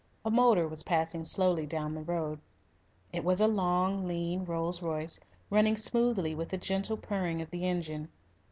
A motor was passing slowly down the road. It was a long, lean Rolls Royce, running smoothly with a gentle purring of the engine.